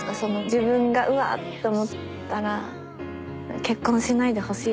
自分がうわ！って思ったら結婚しないでほしいとか。